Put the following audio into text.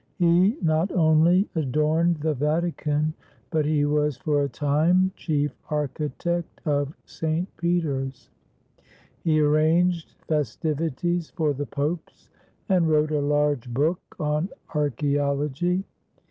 He not only adorned the Vatican, but he was for a time chief architect of St. Peter's; he arranged festivities for the Popes, and wrote a large book on archaeology.